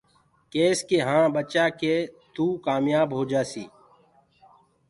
ڪيس ڪي هآنٚ ٻچآ ڪي توُ ڪآميآب هوجآسيٚ۔